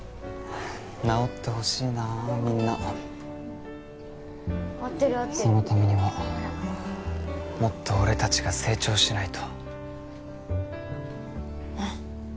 治ってほしいなみんな合ってる合ってるそのためにはもっと俺達が成長しないとうん！